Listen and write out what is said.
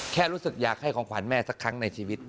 แค่รู้สึกอยากให้ของขวัญแม่สักครั้งในชีวิต